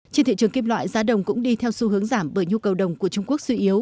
trên thị trường kim loại giá đồng cũng đi theo xu hướng giảm bởi nhu cầu đồng của trung quốc suy yếu